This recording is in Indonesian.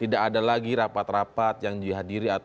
tidak ada lagi rapat rapat yang dihadiri atau diikuti dipimpin